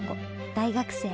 大学生。